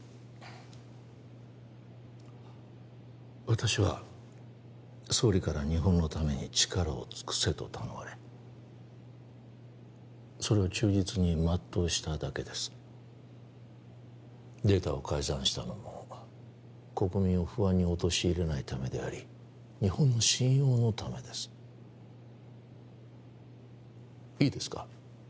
私は総理から日本のために力を尽くせと頼まれそれを忠実に全うしただけですデータを改ざんしたのも国民を不安に陥れないためであり日本の信用のためですいいですか？